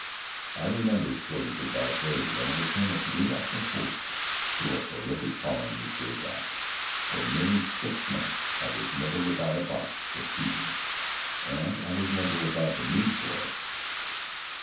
I remembered Shorty's advice later when I became a reluctant host to a prolific colony of graybacks. For nearly six months I was never without a box of Keatings, and I was never without the need for it.